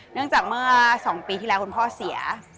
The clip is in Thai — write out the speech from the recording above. เนื่องจากเมื่อ๒ปีที่แล้วคุณพ่อเสีย